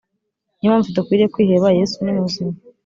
Niyo mpamvu tudakwiriye kwiheba yesu ni muzima